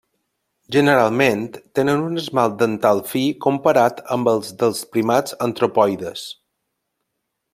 Generalment tenen un esmalt dental fi comparat amb el dels primats antropoides.